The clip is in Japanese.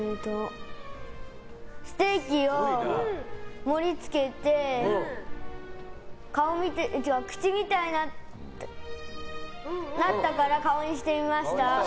ステーキを盛り付けて口みたいになったから顔にしてみました。